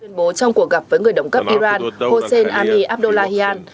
tuyên bố trong cuộc gặp với người đồng cấp iran hossein ali abdullahian